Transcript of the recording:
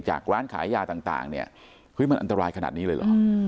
ร้านขายยาต่างเนี่ยเฮ้ยมันอันตรายขนาดนี้เลยเหรอ